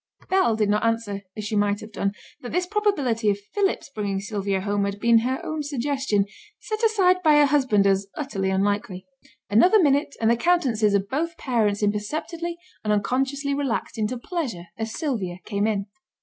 Bell did not answer, as she might have done, that this probability of Philip's bringing Sylvia home had been her own suggestion, set aside by her husband as utterly unlikely. Another minute and the countenances of both parents imperceptibly and unconsciously relaxed into pleasure as Sylvia came in.